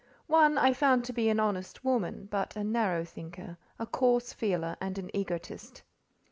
One I found to be an honest woman, but a narrow thinker, a coarse feeler, and an egotist.